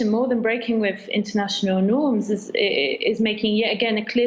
membatasi dengan norma internasional tetapi juga membuat kenyataan jelas